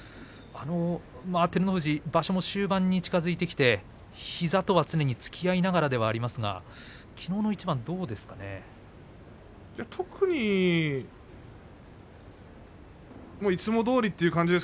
照ノ富士、場所も終盤に近づいてきて膝とは常につきあいながらではありますがいや特にいつもどおりという感じです。